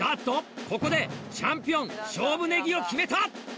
ここでチャンピオン勝負ネギを決めた！